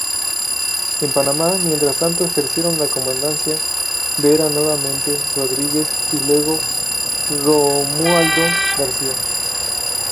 En Paraná, mientras tanto, ejercieron la comandancia Vera, nuevamente Rodríguez y luego Romualdo García.